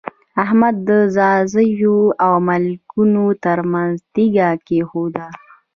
احمد د ځاځيو او منلګو تر منځ تيږه کېښوده.